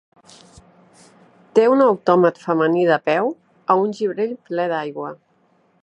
Té un autòmat femení de peu a un gibrell ple d"aigua.